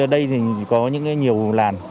đây thì có những nhiều làn